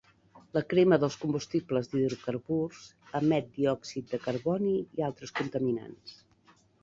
La crema dels combustibles d'hidrocarburs emet diòxid de carboni i altres contaminants.